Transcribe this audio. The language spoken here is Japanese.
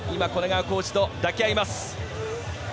コーチと抱き合います。